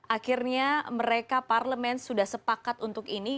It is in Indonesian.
akhirnya mereka parlemen sudah sepakat untuk ini